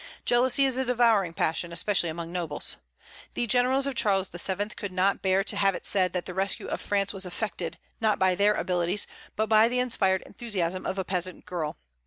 Jealousy is a devouring passion, especially among nobles. The generals of Charles VII. could not bear to have it said that the rescue of France was effected, not by their abilities, but by the inspired enthusiasm of a peasant girl.